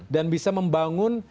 dan bisa membangun